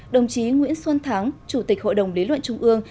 đồng chí nguyễn xuân thắng chủ tịch hội đồng lý luận trung ương